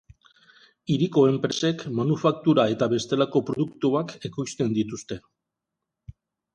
Hiriko enpresek, manufaktura eta bestelako produktuak ekoizten dituzte.